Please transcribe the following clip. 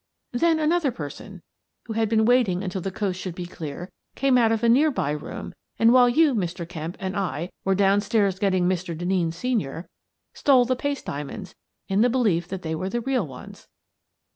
"Then another person, who had been waiting until the coast should be clear, came out of a near by room and, while you, Mr. Kemp, and I, were down stairs getting Mr. Denneen, Senior, stole the paste diamonds in the belief that they were the real ones.